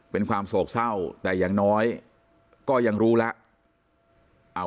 เป็นความโศกเศร้าแต่อย่างน้อยก็ยังรู้แล้ว